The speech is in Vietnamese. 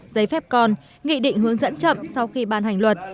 giấy phép con nghị định hướng dẫn chậm sau khi ban hành luật